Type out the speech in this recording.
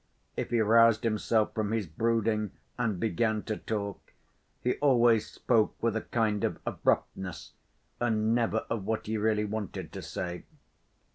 If he roused himself from his brooding and began to talk, he always spoke with a kind of abruptness and never of what he really wanted to say.